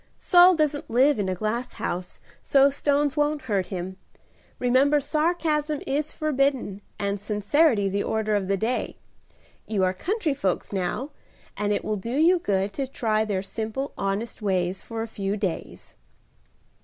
"Saul doesn't live in a glass house, so stones won't hurt him. Remember sarcasm is forbidden and sincerity the order of the day. You are country folks now, and it will do you good to try their simple, honest ways for a few days."